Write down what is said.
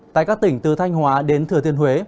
tại các tỉnh từ thanh hóa đến thừa thiên huế